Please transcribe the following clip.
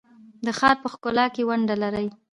د ښار په ښکلا کې ونډه لري؟